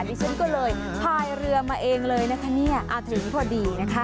ดิฉันก็เลยพายเรือมาเองเลยนะคะเนี่ยถึงพอดีนะคะ